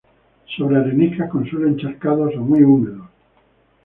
Sobre areniscas con suelos encharcados o muy húmedos.